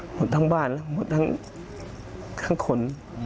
หมดทั้งบ้านแล้วหมดทั้งคน